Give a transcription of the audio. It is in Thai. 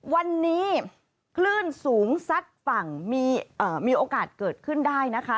วันนี้คลื่นสูงซัดฝั่งมีโอกาสเกิดขึ้นได้นะคะ